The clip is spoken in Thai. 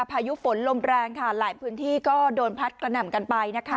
พายุฝนลมแรงค่ะหลายพื้นที่ก็โดนพัดกระหน่ำกันไปนะคะ